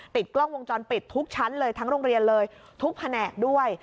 ติดกล้องวงจรปิดทุกชั้นเลยทั้งโรงเรียนเลยทุกแผนกด้วย